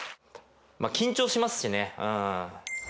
緊張しますしね。